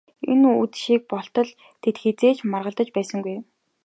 Энэ үдшийг болтол тэд хэзээ ч маргалдаж байсангүй.